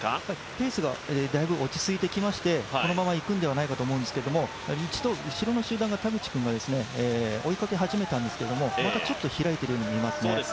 ペースは大分落ち着いてきまして、このままいくんではないかと思うんですが一度、後ろの集団の田口君が追いかけ始めたんですけれどもまたちょっと開いているように見えますね。